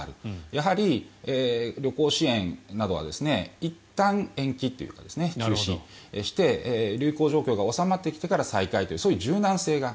やはり旅行支援などはいったん延期というか中止して流行状況が収まってきてから再開という、そういう柔軟性が。